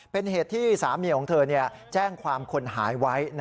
เป็นเหตุที่สามีของเธอแจ้งความคนหายไว้